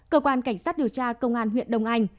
cơ quan cảnh sát điều tra công an huyện đông anh